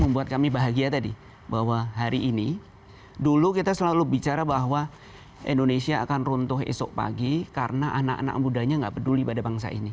membuat kami bahagia tadi bahwa hari ini dulu kita selalu bicara bahwa indonesia akan runtuh esok pagi karena anak anak mudanya nggak peduli pada bangsa ini